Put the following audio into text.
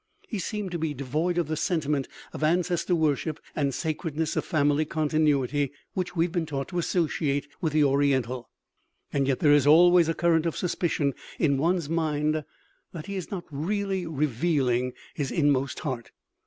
He seems to be devoid of the sentiment of ancestor worship and sacredness of family continuity which we have been taught to associate with the Oriental. And yet there is always a current of suspicion in one's mind that he is not really revealing his inmost heart.